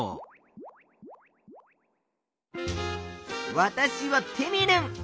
わたしはテミルン。